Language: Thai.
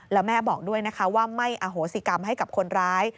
แล้วแม่บอกด้วยนะคะว่าไม่อโหสิกรรมให้กับคนร้าย